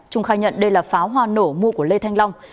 trung khai nhận đây là pháo hoa nổ mua của lê thanh long